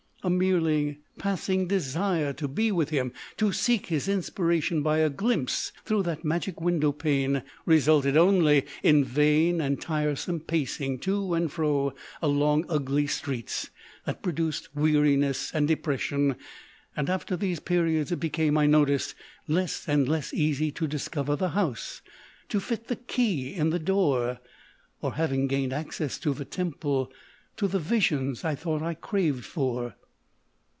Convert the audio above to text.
A merely passing desire to be with him, to seek his inspiration by a glimpse through that magic window pane, resulted only in vain and tiresome pacing to and fro along ugly streets that produced weariness and depression ; and after these periods it became, I noticed, less and less easy to discover the house, to fit the key in the door, or, having gained access to the temple, to the visions I thought I craved for.